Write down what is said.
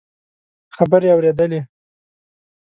خبرې اورېدلې.